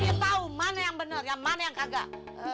dia tau mana yang bener yang mana yang kagak